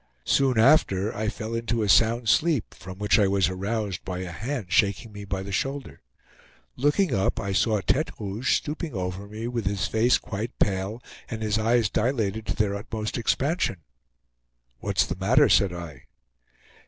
Soon after I fell into a sound sleep from which I was aroused by a hand shaking me by the shoulder. Looking up, I saw Tete Rouge stooping over me with his face quite pale and his eyes dilated to their utmost expansion. "What's the matter?" said I.